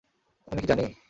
আমি কী জানি?